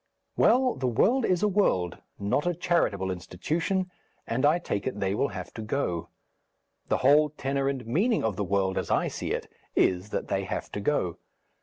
Well, the world is a world, not a charitable institution, and I take it they will have to go. The whole tenor and meaning of the world, as I see it, is that they have to go.